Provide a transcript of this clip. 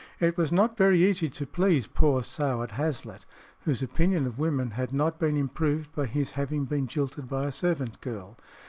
It was not very easy to please poor soured Hazlitt, whose opinion of women had not been improved by his having been jilted by a servant girl.